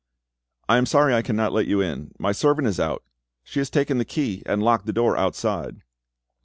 "I am sorry I cannot let you in. My servant is out: she has taken the key and locked the door outside."